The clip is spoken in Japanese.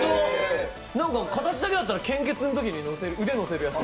形だけだったら、献血のときに腕を乗せるやつ。